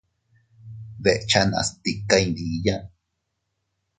Dechanas tika iydiya.